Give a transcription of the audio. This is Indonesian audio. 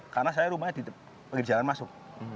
karena saya rumahnya di jalan masuk